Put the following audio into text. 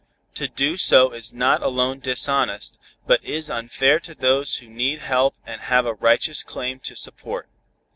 To do so is not alone dishonest, but is unfair to those who need help and have a righteous claim to support.